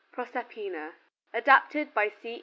PROSERPINA ADAPTED BY C.